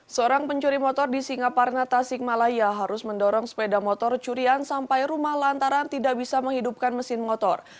seorang pencuri motor di singaparna tasikmalaya harus mendorong sepeda motor curian sampai rumah lantaran tidak bisa menghidupkan mesin motor